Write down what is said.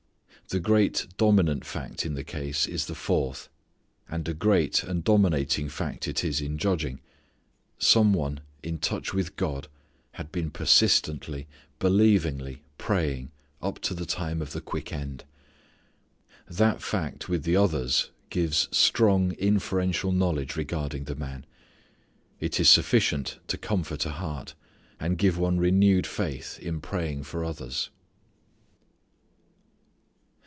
The great dominant fact in the case is the fourth, and a great and dominating fact it is in judging some one in touch with God had been persistently, believingly praying up to the time of the quick end. That fact with the others gives strong inferential knowledge regarding the man. It is sufficient to comfort a heart, and give one renewed faith in praying for others.